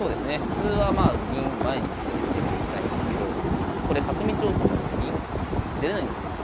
普通はまあ銀前に出ていきたいんですけどこれ角道オープンなので銀出れないんですよ